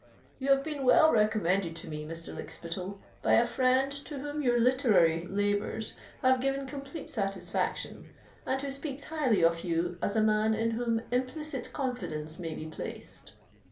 "You have been well recommended to me, Mr. Lykspittal, by a friend to whom your literary labours have given complete satisfaction, and who speaks highly of you as a man in whom implicit confidence may be placed."